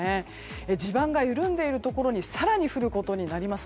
地盤が緩んでいるところに更に降ることになります。